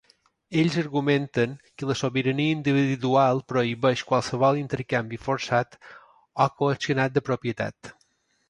Ells argumenten que la sobirania individual prohibeix qualsevol intercanvi forçat o coaccionat de propietat.